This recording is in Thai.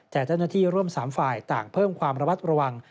แต่เจ้าหน้าที่ร่วม๓ฝ่ายต่างเพิ่มความระมัดระวัง